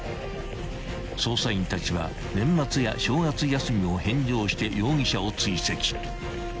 ［捜査員たちは年末や正月休みを返上して容疑者を追跡］